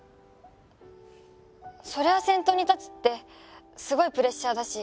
そりゃあ先頭に立つってすごいプレッシャーだし